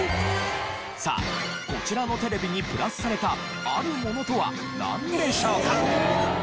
さあこちらのテレビにプラスされたあるものとはなんでしょうか？